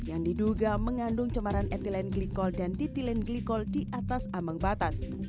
yang diduga mengandung cemaran ethylene glycol dan ditilene glycol di atas ambang batas